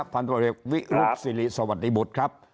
ฟันโทรศัพท์วิลุกษิริสวัสดีบุตรครับ